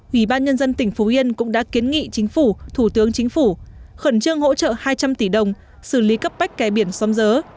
ủy ban nhân dân tỉnh phú yên cũng đã kiến nghị chính phủ thủ tướng chính phủ khẩn trương hỗ trợ hai trăm linh tỷ đồng xử lý cấp bách kè biển xóm dớ